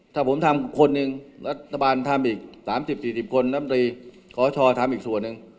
ถ้าผมทำคนหนึ่งรัฐบาลทำอีก๓๐๔๐คนน้ำตรีขอชอทำอีกส่วนหนึ่ง